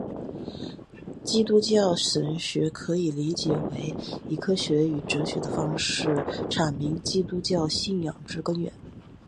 基督教神学可以理解为以科学与哲学的方式阐明基督教信仰之根源。